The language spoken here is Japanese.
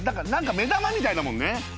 目玉みたいだもんね。